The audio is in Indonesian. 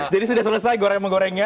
jadi sudah selesai goreng menggoreng